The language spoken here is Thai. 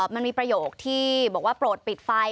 มันมีประโยคที่บอกว่าโปรดปิดไฟ